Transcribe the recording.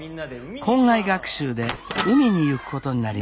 校外学習で海に行くことになりました。